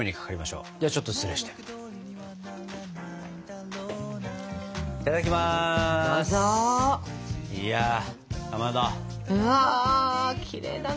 うわきれいだね。